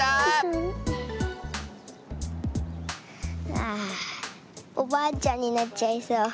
ああおばあちゃんになっちゃいそう。